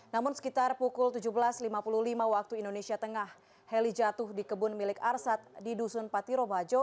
namun sekitar pukul tujuh belas lima puluh lima waktu indonesia tengah heli jatuh di kebun milik arsat di dusun patiro bajo